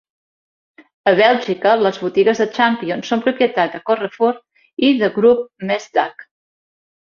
A Bèlgica, les botigues de Champion són propietat de Carrefour i de Groupe Mestdagh.